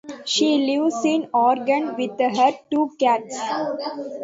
She lives in Oregon with her two cats.